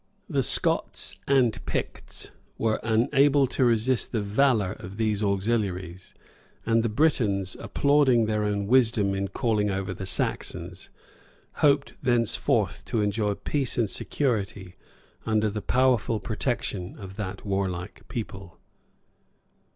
The Scots and Picts were unable to resist the valor of these auxiliaries; and the Britons, applauding their own wisdom in calling over the Saxons, hoped thenceforth to enjoy peace and security under the powerful protection of that warlike people.